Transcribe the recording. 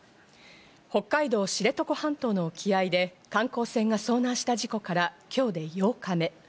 北海道知床半島の沖合で、観光船が遭難した事故から今日で８日目。